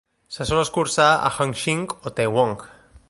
Se sol escurçar a Hung Shing o Tai Wong.